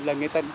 là người ta